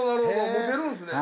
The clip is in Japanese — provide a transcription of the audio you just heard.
持てるんですね。